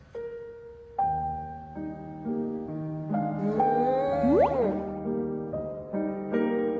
うん。